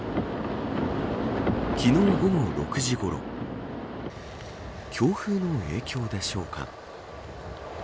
昨日午後６時ごろ強風の影響でしょうか。